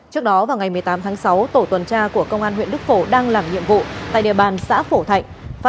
trước đó vào ngày một mươi tám tháng sáu tổ tuần tra của công an huyện đức phổ đang làm nhiệm vụ tại địa bàn xã phổ thạnh